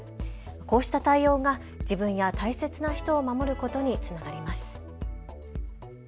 こうした対応が自分や大切な人を守ることにつながります。